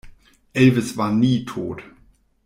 Elvis war nie tot.